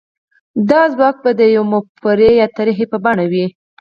دا ځواک به د يوې مفکورې يا طرحې په بڼه وي.